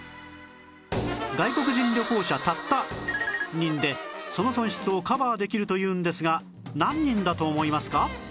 外国人旅行者たった人でその損失をカバーできるというんですが何人だと思いますか？